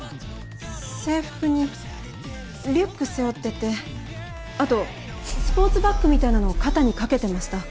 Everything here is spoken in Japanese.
制服にリュック背負っててあとスポーツバッグみたいなのを肩に掛けてました。